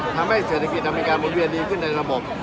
ทำให้เศรษฐกิจมีการบุญเวียนดีขึ้นในระบบ